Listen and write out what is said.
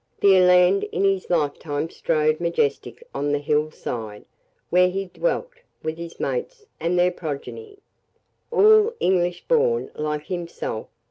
This eland in his lifetime strode majestic on the hill side, where he dwelt with his mates and their progeny, all English born, like himself."